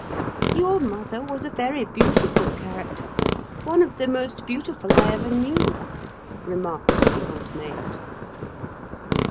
"Your mother was a very beautiful character—one of the most beautiful I ever knew," remarked the Old Maid.